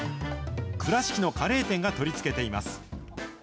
倉敷のカレー店が取り付けています。